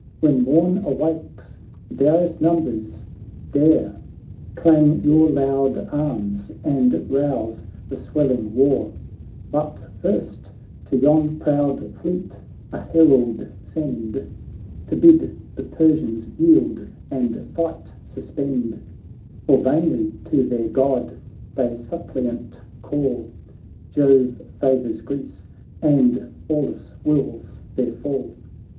When morn awakes, Darius' numbers dare. Clang your loud arms, and rouse the swelling war ; But first to yon proud fleet a herald send To bid the Persians yield, and fight sus pend ; For vainly to their God they suppliant call, Jove favours Greece, and Pallas wills their fall.'